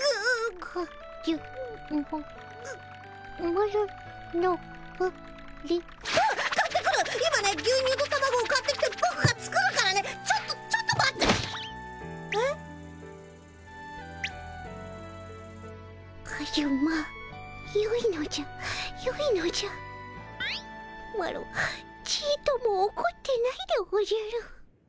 マロちっともおこってないでおじゃる。